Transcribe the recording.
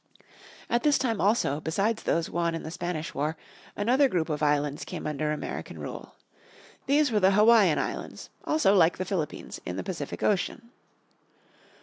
At this time, also, besides those won in the Spanish War another group of islands came under American rule. These were the Hawaiian Islands, also like the Philippines in the Pacific Ocean.